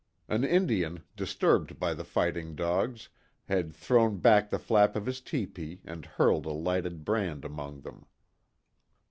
An Indian, disturbed by the fighting dogs, had thrown back the flap of his tepee and hurled a lighted brand among them.